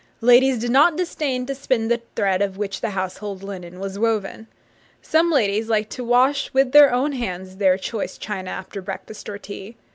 Ladies did not disdain to spin the thread of which the household linen was woven. Some ladies liked to wash with their own hands their choice china after breakfast or tea.